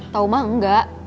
tahu mah enggak